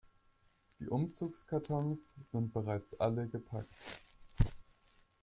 Die Umzugskartons sind bereits alle gepackt.